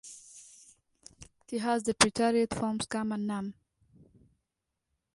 It has the preterite forms "kam" and "nam".